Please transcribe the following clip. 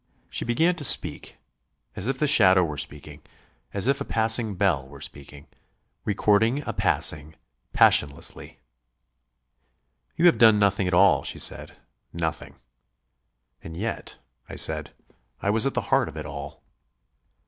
She began to speak, as if the statue were speaking, as if a passing bell were speaking; recording a passing passionlessly. "You have done nothing at all," she said. "Nothing." "And yet," I said, "I was at the heart of it all."